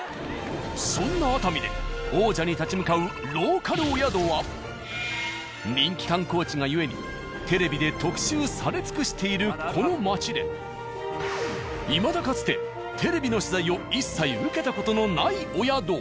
そんな熱海で王者に立ち向かうローカルお宿は人気観光地がゆえにテレビで特集され尽くしているこの街でいまだかつてテレビの取材を一切受けた事のないお宿。